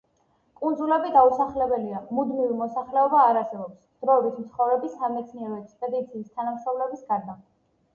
კუნძულები დაუსახლებელია, მუდმივი მოსახლეობა არ არსებობს, დროებით მცხოვრები სამეცნიერო ექსპედიციის თანამშრომლების გარდა.